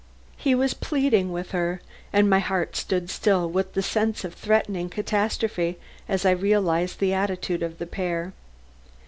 He was pleading with her, and my heart stood still with the sense of threatening catastrophe as I realized the attitude of the pair.